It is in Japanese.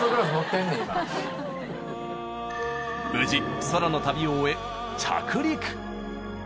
無事空の旅を終え着陸。